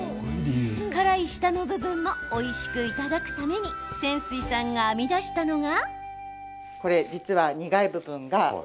辛い下の部分もおいしくいただくために泉水さんが編み出したのが。